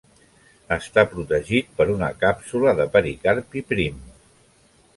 Està protegit per una càpsula de pericarpi prim.